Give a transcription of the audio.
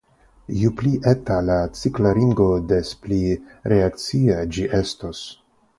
Ju pli eta la cikla ringo des pli reakcia ĝi estos.